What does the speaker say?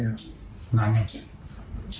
นานไง